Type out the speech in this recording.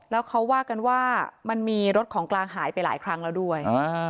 แล้วเขาว่ากันว่ามันมีรถของกลางหายไปหลายครั้งแล้วด้วย